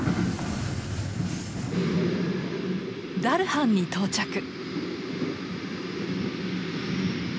ダルハンに到着。